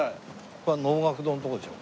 ここは能楽堂のとこでしょ？